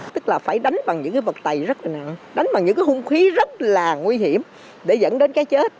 tức là phải đánh bằng những vật tày rất là nặng đánh bằng những hôn khí rất là nguy hiểm để dẫn đến cái chết